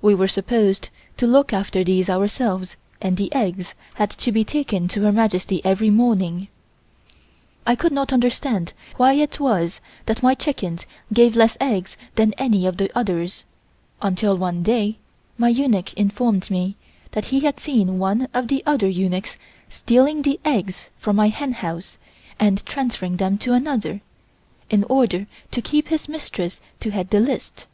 We were supposed to look after these ourselves and the eggs had to be taken to Her Majesty every morning. I could not understand why it was that my chickens gave less eggs than any of the others until one day my eunuch informed me that he had seen one of the other eunuchs stealing the eggs from my hen house and transferring them to another, in order to help his mistress to head the list.